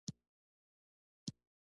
د نورو ژبو تقلید دې بند شي.